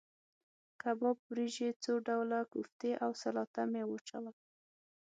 کباب، وریجې، څو ډوله کوفتې او سلاته مې واچول.